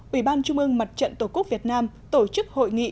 ủy ban trung ương mặt trận tổ quốc việt nam tổ chức hội nghị